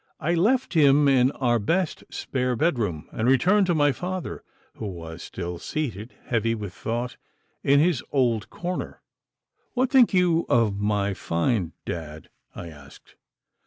I left him in our best spare bedroom, and returned to my father, who was still seated, heavy with thought, in his old corner. 'What think you of my find, Dad?' I asked.